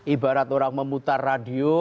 ibarat orang memutar radio